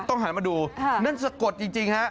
ต้องหันมาดูนั่นสะกดจริง